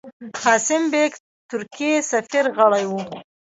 قاسم بېګ، ترکی سفیر، غړی وو.